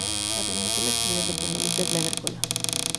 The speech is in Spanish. La principal actividad económica es la agrícola.